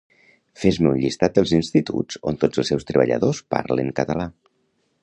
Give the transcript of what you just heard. Fes-me un llistat dels instituts on tots els seus treballadors parlen català